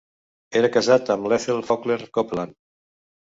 Era casat amb l'Ethel Faulkner Copeland.